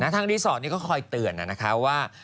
ทางรีสอร์ทนี้ก็คอยเตือนนะคะว่า